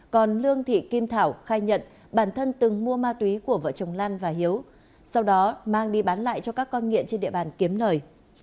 còn lương thị kim thảo khai nhận bản thân từng mua ma túy của vợ chồng lan và hiếu sau đó mang đi bán lại cho các con nghiện trên địa bàn kiếm lời